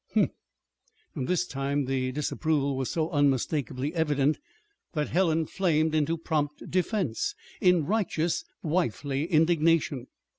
Humph!" This time the disapproval was so unmistakably evident that Helen flamed into prompt defense, in righteous, wifely indignation.